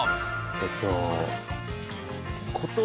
えっと。